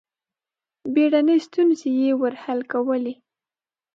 بېړنۍ ستونزې یې ور حل کولې.